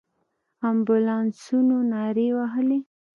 امبولانسونو نارې وهلې.